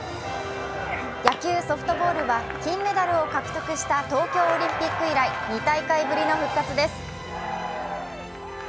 野球・ソフトボールは金メダルを獲得した東京オリンピック以来２大会ぶりの復活です。